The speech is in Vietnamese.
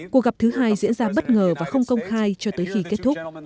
cuộc gặp thứ hai diễn ra bất ngờ và không công khai cho tới khi kết thúc